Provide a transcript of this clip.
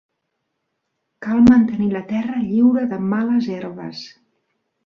Cal mantenir la terra lliure de males herbes.